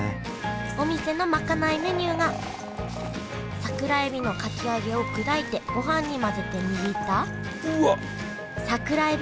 お店のまかないメニューが桜えびのかき揚げを砕いてごはんに混ぜて握った桜えび